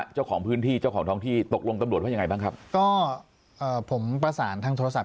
เจ้าของพื้นที่เจ้าของท้องที่ตกลงตำรวจว่ายังไงบ้างครับก็เอ่อผมประสานทางโทรศัพ